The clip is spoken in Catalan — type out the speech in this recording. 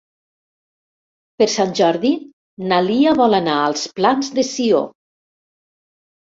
Per Sant Jordi na Lia vol anar als Plans de Sió.